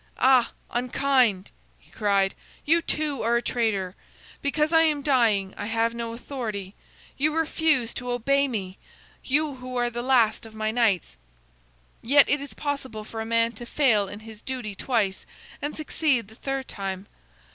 "Ah, unkind!" he cried. "You, too, are a traitor. Because I am dying, I have no authority. You refuse to obey me, you who are the last of my knights! Yet it is possible for a man to fail in his duty twice, and succeed the third time.